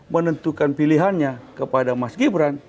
menentukan pilihannya kepada mas gibran